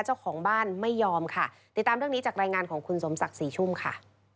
เจ้าของบ้านไม่ยอมค่ะติดตามเรื่องนี้จากรายงานของคุณสมศักดิ์ศรีชุ่มค่ะ